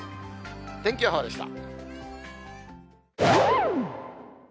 天気予報でした。